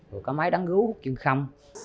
rồi có máy đắng gấu kim khâm